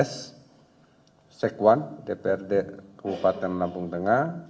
s sekwan dprd kabupaten lampung tengah